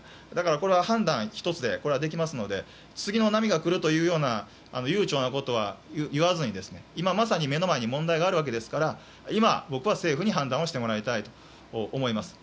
これは判断１つでできますので次の波が来るというような悠長なことは言わずに今まさに目の前に問題があるわけですから今、僕は政府に判断してもらいたいと思います。